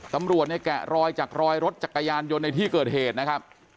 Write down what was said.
ตำรวจเนี่ยแกะรอยจากรอยรถจักรยานยนต์ในที่เกิดเหตุนะครับ